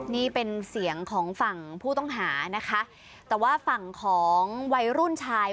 นี่เป็นเสียงของฝั่งผู้ต้องหานะคะแต่ว่าฝั่งของวัยรุ่นชาย